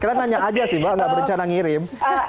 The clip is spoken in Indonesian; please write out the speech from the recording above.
karena nanya aja sih mbak nggak berencana ngirim